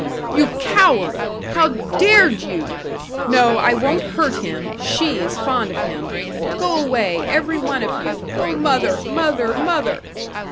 "You coward! how dared you? No, I won't hurt him; she is fond of him. Go away, every one of you. Oh, mother, mother, mother!"